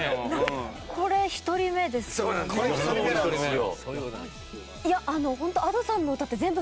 これ１人目なんですよ。